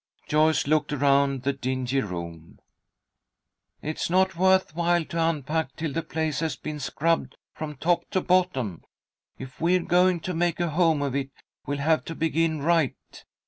Joyce looked around the dingy room. "It's not worth while to unpack till the place has been scrubbed from top to bottom. If we're going to make a home of it, we'll have to begin right.